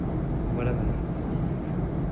Voilà Mme. Smith.